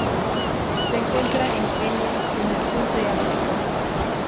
Se encuentra en Kenia y en el sur de África.